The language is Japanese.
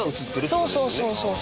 そうそうそうそう。